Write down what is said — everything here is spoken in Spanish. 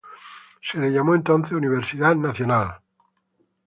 Se le llamó entonces Universidad Nacional.